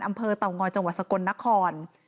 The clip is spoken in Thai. อำเภอเตางอยจังหวัดสะกดนคร